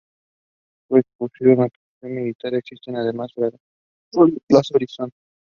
Este acuerdo de cooperación militar se extiende además a las fragatas Clase Horizon.